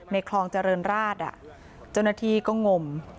ในคลองเจริญราชอ่ะจนนาทีก็งม